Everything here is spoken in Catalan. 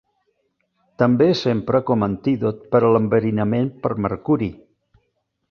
També s'empra com antídot per a l'enverinament per mercuri.